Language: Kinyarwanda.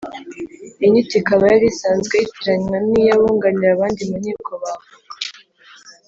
Iyi nyito ikaba yari isanzwe yitiranywa n’iy’abunganira abandi mu nkiko (ba avoka)